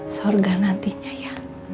sorga nantinya ya